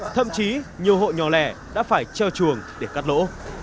thậm chí nhiều hộ nhỏ lẻ đã phải treo chuồng để cắt lỗ